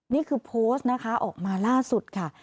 นี่คือโพสต์นะคะออกมาล่าสุดค่ะ